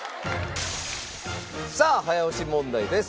さあ早押し問題です。